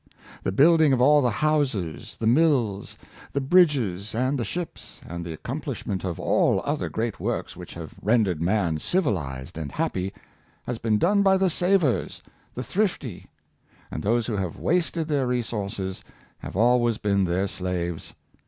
The building of all the houses, the mills, the bridges, and the ships, and the accomplishment of all other great works which have rendered man civilized and happy, has been done by the savers, the thrifty; and those who have wasted their resources have always been their slaves.